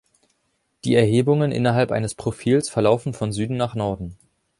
Die Erhebungen innerhalb eines Profils verlaufen von Süden nach Norden.